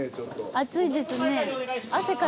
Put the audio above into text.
暑いですね。